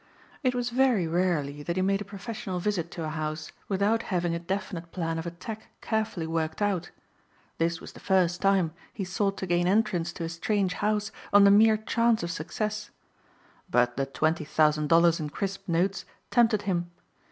It was very rarely that he made a professional visit to a house without having a definite plan of attack carefully worked out. This was the first time he sought to gain entrance to a strange house on the mere chance of success. But the twenty thousand dollars in crisp notes tempted him.